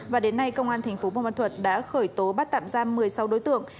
và đến nay công an tp bù mà thuật đã khởi tố bắt tạm ra một mươi sáu đối tượng